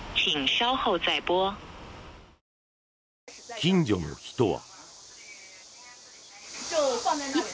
近所の人は。